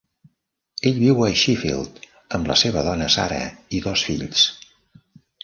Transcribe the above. Ell viu a Sheffield amb la seva dona Sarah i dos fills.